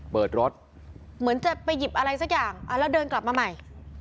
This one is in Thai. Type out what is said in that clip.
เปิดรถเหมือนจะไปหยิบอะไรสักอย่างแล้วเดินกลับมาใหม่